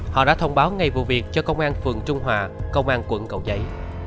họ đã thông báo ngay vụ việc cho công an phường trung hòa công an quận cầu giấy